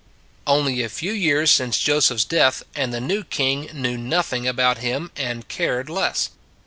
Only a few years since Joseph s death and the new King knew nothing about him and cared less.